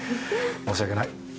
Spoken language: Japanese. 申し訳ない。